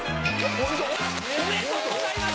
おめでとうございます！